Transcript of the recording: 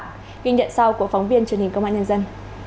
ghi nhận sau của phóng viên truyền hình công an nhân dân